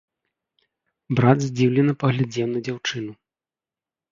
Брат здзіўлена паглядзеў на дзяўчыну.